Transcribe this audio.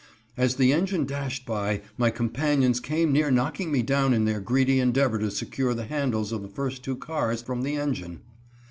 As the engine dashed by, my companions came near knocking me down in their greedy endeavor to secure the handles of the first two cars from the engine.